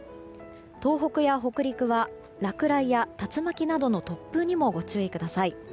東北や北陸は落雷や竜巻などの突風にもご注意ください。